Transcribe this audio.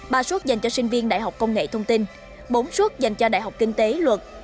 ba suốt dành cho sinh viên đại học công nghệ thông tin bốn suốt dành cho đại học kinh tế luật